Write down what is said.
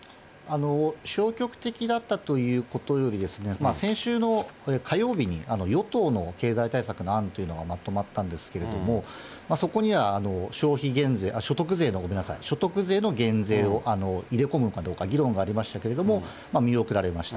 消極的だったということより、先週の火曜日に与党の経済対策の案というのがまとまったんですけれども、そこには消費減税、所得税の、ごめんなさい、所得税の減税を入れ込むかどうか議論がありましたけれども、見送られました。